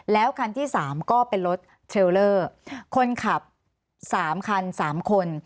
แล้วคันที่๓ก็เป็นรถเทรลเลอร์คนขับ๓คัน๓คน